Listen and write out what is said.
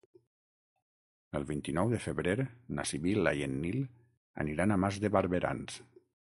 El vint-i-nou de febrer na Sibil·la i en Nil aniran a Mas de Barberans.